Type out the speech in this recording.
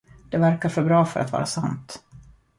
Det verkar för bra för att vara sant.